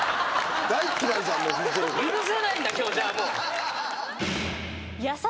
許せないんだ今日じゃあもう。